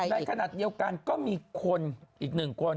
ในขณะเดียวกันก็มีคนอีกหนึ่งคน